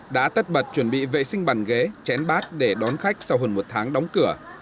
đã tất bật chuẩn bị vệ sinh bàn ghế chén bát để đón khách sau hơn một tháng đóng cửa